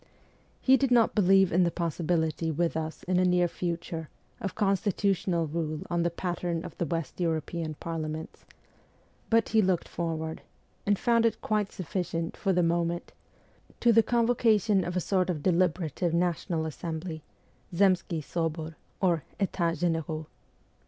He did not believe in the possibility with us in a near future, of constitutional rule on the pattern of the West European parliaments; but he looked forward and found it quite sufficient for the moment to the convocation of a sort of v deliberative National Assembly (Zemskiy Sobor or Etats Generaux).